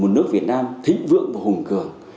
một nước việt nam thịnh vượng và hùng cường